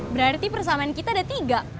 berarti persamaan kita ada tiga